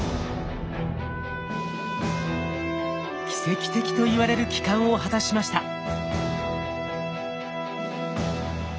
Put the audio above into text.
奇跡的といわれる帰還を果たしました。